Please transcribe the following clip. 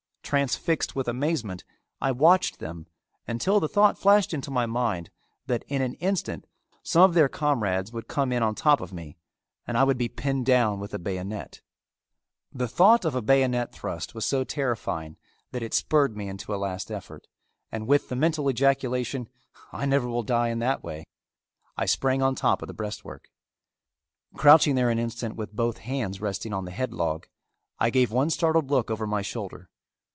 Transfixed with amazement, I watched them until the thought flashed into my mind that in an instant some of their comrades would come in on top of me and I would be pinned down with a bayonet. The thought of a bayonet thrust was so terrifying, that it spurred me into a last effort, and with the mental ejaculation, "I never will die in that way," I sprang on top of the breastwork. Crouching there an instant with both hands resting on the headlog, I gave one startled look over my shoulder.